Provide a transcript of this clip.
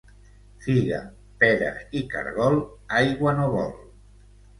Figa, pera i caragol aigua no vol.